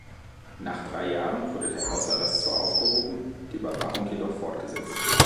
Nach drei Jahren wurde der Hausarrest zwar aufgehoben, die Überwachung jedoch fortgesetzt.